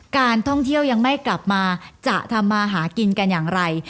การท่องเที่ยวยังไม่กลับมาจะทำมาหากินกันอย่างไร